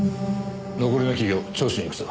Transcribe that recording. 残りの企業聴取に行くぞ。